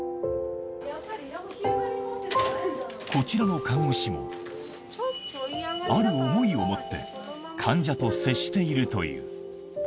こちらの看護師も、ある思いを持って、患者と接しているという。